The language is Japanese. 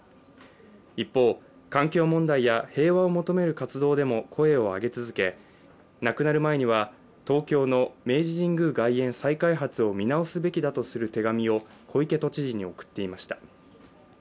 一方、環境問題や平和を求める活動でも声を上げ続け亡くなる前には、東京の明治神宮外苑再開発を見直すべきだとする手紙を小池都知事に送っていました。